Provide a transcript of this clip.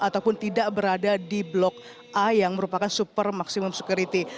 ataupun tidak berada di blok a yang merupakan super maksimum security